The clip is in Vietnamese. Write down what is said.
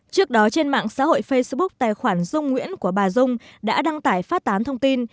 trước đó trên mạng xã hội facebook tài khoản dung nguyễn của bà dung đã đăng tải phát tán thông tin